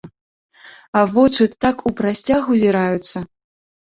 А вочы так у прасцяг узіраюцца.